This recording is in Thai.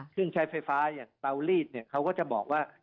ใช้ไฟฟ้าอย่างเตาลีดเนี่ยเขาก็จะบอกว่า